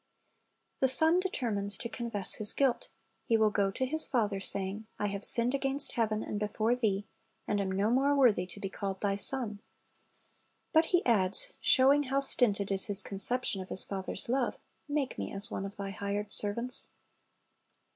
"* The son determines to confess his guilt. He will go to his fether, saying, "I have sinned against heaven, and before thee, and am no more worthy to be called thy son." But he adds, showing how stinted is his conception of his father's love, "Make me as one of thy hired servants."